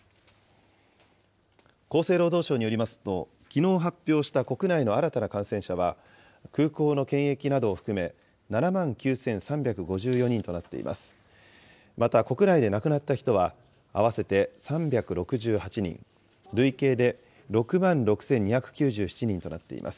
厚生労働省によりますと、きのう発表した国内の新たな感染者は、空港の検疫などを含め７万９３５４人となっています。